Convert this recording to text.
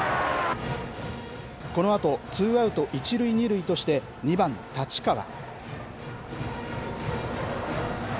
このあとツーアウト１塁２塁として、２番たちかわ。